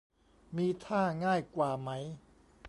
มีท่าง่ายกว่าไหม